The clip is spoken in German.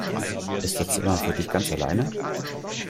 Ist das Zimmer für dich ganz alleine?